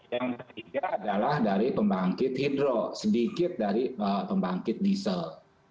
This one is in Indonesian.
yang ketiga adalah dari pembangkit hidro sedikit dari pembangkit diesel